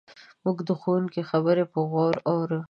موږ د ښوونکي خبرې په غور اورو.